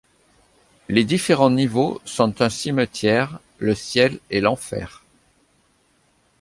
Les différents niveaux sont un cimetière, le ciel et l'enfer.